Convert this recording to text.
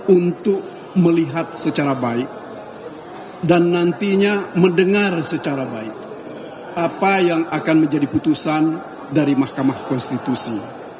untuk melihat secara baik dan nantinya mendengar secara baik apa yang akan menjadi putusan dari mahkamah konstitusi